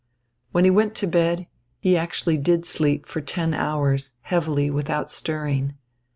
When he went to bed, he actually did sleep for ten hours, heavily, without stirring.